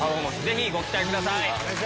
ぜひご期待ください！